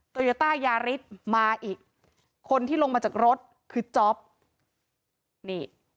โยต้ายาริสมาอีกคนที่ลงมาจากรถคือจ๊อปนี่